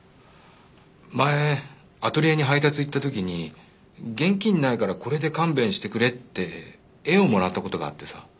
前アトリエに配達行った時に現金ないからこれで勘弁してくれって絵をもらった事があってさ。